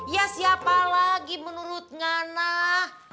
ya siapa lagi menurutnya nah